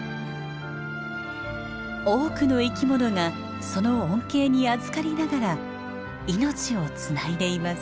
多くの生き物がその恩恵にあずかりながら命をつないでいます。